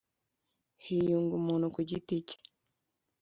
Hiyunga umuntu ku giti cye